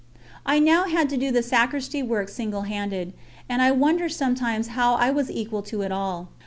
I now had to do the Sacristy work single handed, and I wonder sometimes how I was equal to it all.